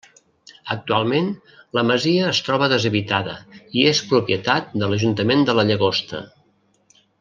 Actualment la masia es troba deshabitada i és propietat de l'Ajuntament de la Llagosta.